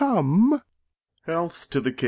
Duke. Health to the King.